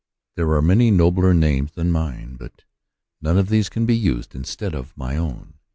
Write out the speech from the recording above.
There are many nobler names than mine, but none of these can be used instead of my own.